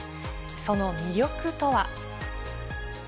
その魅力とは。